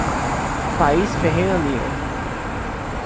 Clarice Ferreira Lyra